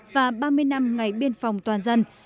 và ba mươi năm ngày biên phòng toàn dân